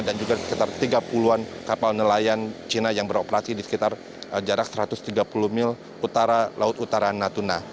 dan juga sekitar tiga puluh an kapal nelayan cina yang beroperasi di sekitar jarak satu ratus tiga puluh mil utara laut utara natuna